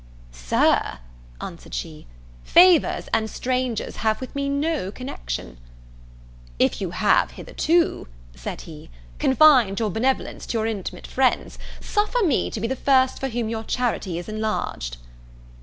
"Sir," answered she, "favours and strangers have with me no connection." "If you have hitherto," said he, "confined your benevolence to your intimate friends, suffer me to be the first for whom your charity is enlarged."